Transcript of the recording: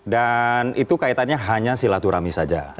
dan itu kaitannya hanya silaturahmi saja